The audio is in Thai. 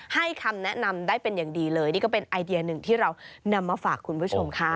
คำแนะนำได้เป็นอย่างดีเลยนี่ก็เป็นไอเดียหนึ่งที่เรานำมาฝากคุณผู้ชมค่ะ